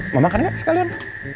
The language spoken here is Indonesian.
mau makan gak sekalian